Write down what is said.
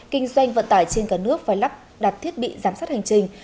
kinh doanh vận tải trên cả nước phải lắp đặt thiết bị giám sát hành trình